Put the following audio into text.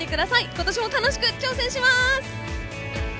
今年も楽しく挑戦します！